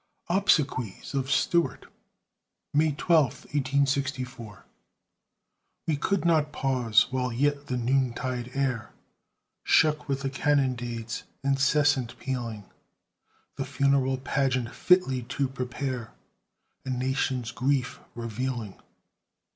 OBSEQUIES OF STUART [May 12, 1864] We could not pause, while yet the noontide air Shook with the cannonade's incessant pealing, The funeral pageant fitly to prepare A nation's grief revealing.